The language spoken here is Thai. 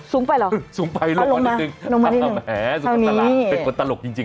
สูงไปหรอ